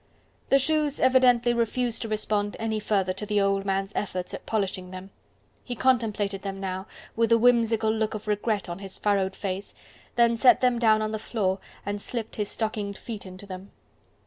The shoes evidently refused to respond any further to the old man's efforts at polishing them. He contemplated them now, with a whimsical look of regret on his furrowed face, then set them down on the floor and slipped his stockinged feet into them.